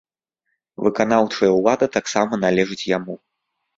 Выканаўчая ўлада таксама належыць яму.